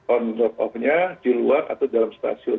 on rock off nya di luar atau dalam stasiun